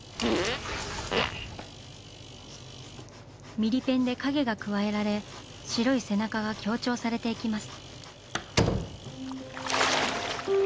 ミリペンで影が加えられ白い背中が強調されていきます。